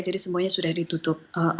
jadi semuanya sudah ditutup